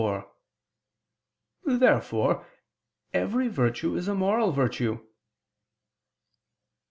Therefore every virtue is a moral virtue.